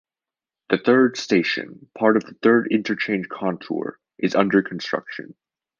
The third station, part of the Third Interchange Contour, is under construction.